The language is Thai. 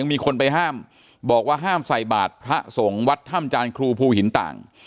มีคนไปห้ามบอกว่าห้ามใส่บาทพระสงฆ์วัดถ้ำจานครูภูหินต่าง